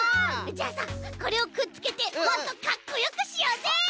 じゃあさこれをくっつけてもっとかっこよくしようぜ！